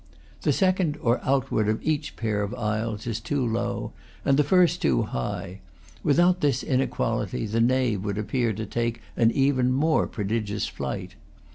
The second, or outward, of each pair of aisles is too low, and the first too high; without this inequality the nave would appear to take an even more prodigious flight.